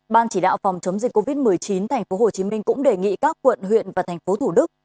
ban chỉ đạo phòng chống dịch covid một mươi chín tp hcm cũng đề nghị các quận huyện và thành phố thủ đức